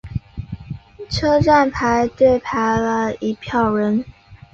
车站排队排了一票人